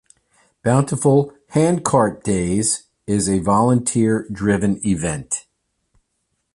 Bountiful Handcart Days is a volunteer-driven event.